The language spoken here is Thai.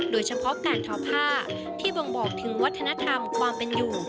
โดยเฉพาะการทอผ้าที่บ่งบอกถึงวัฒนธรรมความเป็นอยู่